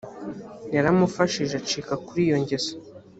yaramufashije acika kuri iyo ngeso